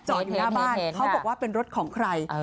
อยู่หน้าบ้านเขาบอกว่าเป็นรถของใคร